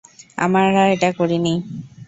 আমরা এটা করিনি।